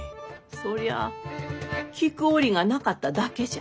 そりゃあ聞く折がなかっただけじゃ。